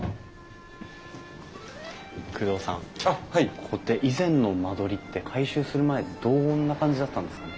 ここって以前の間取りって改修する前どんな感じだったんですかね？